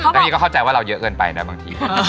แล้วพี่ก็เข้าใจว่าเราเยอะเกินไปนะบางที